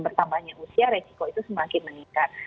bertambahnya usia resiko itu semakin meningkat